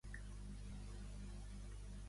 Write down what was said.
Què no susciten els dibuixos de "El Jueves"?